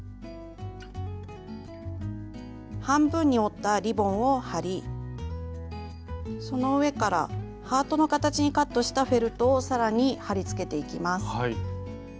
半分に折ったリボンを貼りその上からハートの形にカットしたフェルトを更に貼りつけていきます。